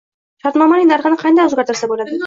Shartnomaning narxini qanday o'zgartirsa bo'ladi?